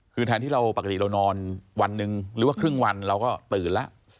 คือแทนที่เราปกติเรานอนวันหนึ่งหรือว่าครึ่งวันเราก็ตื่นแล้ว